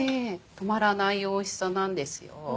止まらないおいしさなんですよ。